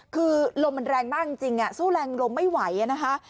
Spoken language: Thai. คือลมมันแรงมากจริงสู้แรงลมไม่ไหวนะคะ